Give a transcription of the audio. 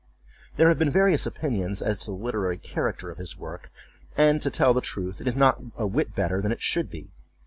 There have been various opinions as to the literary character of his work, and, to tell the truth, it is not a whit better than it should be.